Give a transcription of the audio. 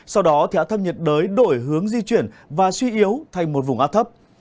sau đó thì áp thấp nhiệt đới đổi hướng di chuyển và suy yếu thành một vùng áp thấp